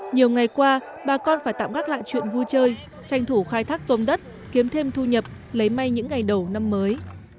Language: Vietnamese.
nhiều ngày qua bà con phải tạm gác lại chuyện vui chơi tranh thủ khai thác tôm đất kiếm thêm thu nhập lấy may những ngày đầu năm mới